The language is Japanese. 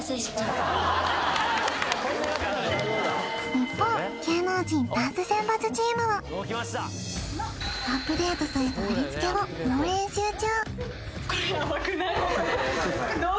一方芸能人ダンス選抜チームはアップデートされた振付を猛練習中